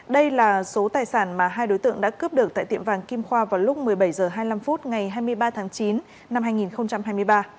đây là số tài sản mà hai đối tượng đã cướp được tại tiệm vàng kim khoa vào lúc một mươi bảy h hai mươi năm ngày hai mươi ba tháng chín năm hai nghìn hai mươi ba